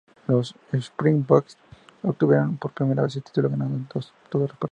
Los Springboks obtuvieron por primera vez el título ganando todos los partidos.